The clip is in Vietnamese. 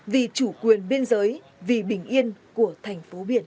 vì chủ quyền biên giới vì bình yên của thành phố biển